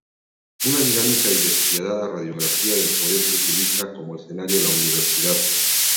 Una dinámica y despiadada radiografía del poder que utiliza como escenario la universidad.